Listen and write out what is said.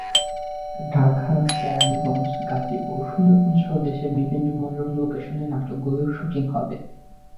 ঢাকা, কেরানীগঞ্জ, গাজীপুর, সুন্দরবনসহ দেশের বিভিন্ন মনোরম লোকেশনে নাটকগুলোর শুটিং হবে।